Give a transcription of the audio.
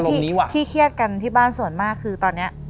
คือตอนนี้ที่เครียดกันที่บ้านส่วนมากคือตอนนี้